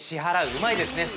うまいですね。